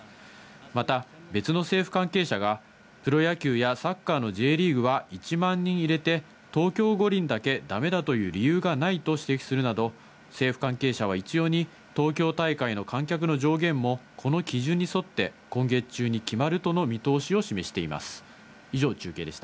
また別の政府関係者がプロ野球やサッカーのＪリーグは１万人入れて、東京五輪だけだめだという理由がないと指摘するなど、政府関係者は一様に東京大会の観客の上限もこの基準に沿って、今月中に決まるとの見通しを示しています。